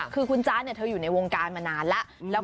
คือคุณจ๊ะเธออยู่ในวงการมานานแล้ว